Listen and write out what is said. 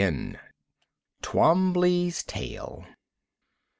Twombley's Tale.